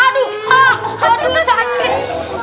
aduh aduh sakit